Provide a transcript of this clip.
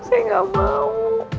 saya gak mau